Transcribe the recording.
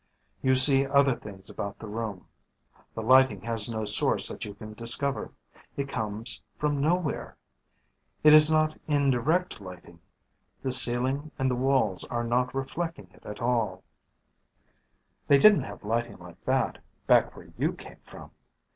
You see other things about the room. The lighting has no source that you can discover. It comes from nowhere. It is not indirect lighting; the ceiling and the walls are not reflecting it at all. [Illustration: Illustrated by VIDMER] They didn't have lighting like that, back where you came from.